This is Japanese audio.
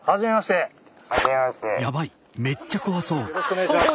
よろしくお願いします。